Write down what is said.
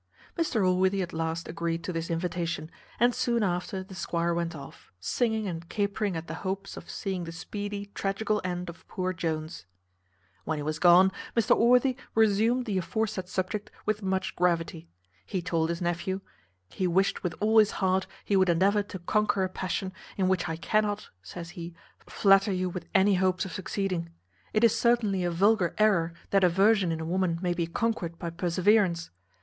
Mr Allworthy at last agreed to this invitation, and soon after the squire went off, singing and capering at the hopes of seeing the speedy tragical end of poor Jones. When he was gone, Mr Allworthy resumed the aforesaid subject with much gravity. He told his nephew, "He wished with all his heart he would endeavour to conquer a passion, in which I cannot," says he, "flatter you with any hopes of succeeding. It is certainly a vulgar error, that aversion in a woman may be conquered by perseverance.